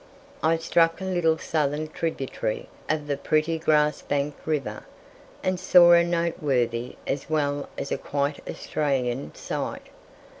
I struck a little southern tributary of that pretty grass banked river, and saw a noteworthy as well as a quite Australian sight.